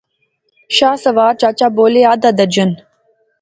شاہ سوار چچا بولے، ادھا درجن